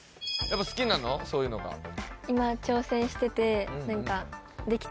そういうのがああ